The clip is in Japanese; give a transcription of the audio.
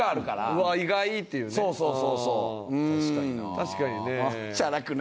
確かにな。